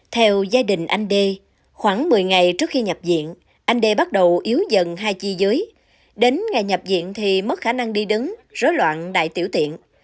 theo gia đình anh đê khoảng một mươi ngày trước khi nhập viện anh đê bắt đầu yếu dần hai chi dưới đến ngày nhập diện thì mất khả năng đi đứng rối loạn đại tiểu tiện